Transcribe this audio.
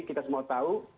kita semua tahu